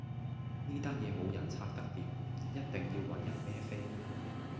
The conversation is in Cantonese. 呢單嘢冇人拆得掂，一定要搵人孭飛